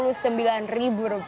luar biasa kan murah